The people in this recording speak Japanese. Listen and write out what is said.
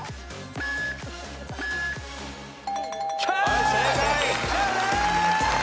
はい正解。